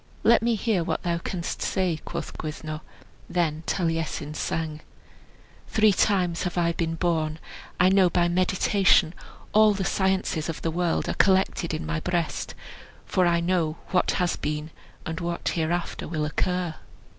"Let me hear what thou canst say," quoth Gwyddno. Then Taliesin sang: "Three times have I been born, I know by meditation; All the sciences of the world are collected in my breast, For I know what has been, and what hereafter will occur."